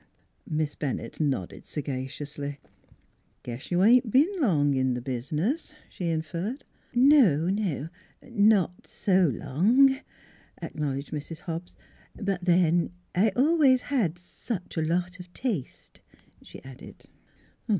Miss Bennett nodded sagaciously. " Guess you ain't bin long in th' bizniz," she inferred. " No; not so long," acknowledged Mrs. Hobbs. " But then, I always had such a lot of taste," she added.